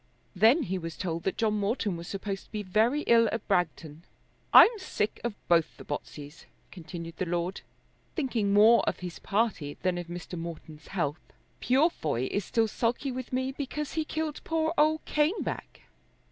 Then he was told that John Morton was supposed to be very ill at Bragton. "I'm sick of both the Botseys," continued the lord, thinking more of his party than of Mr. Morton's health. "Purefoy is still sulky with me because he killed poor old Caneback."